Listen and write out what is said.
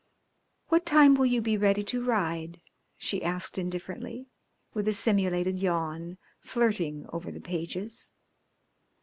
"What time will you be ready to ride?" she asked indifferently, with a simulated yawn, flirting over the pages.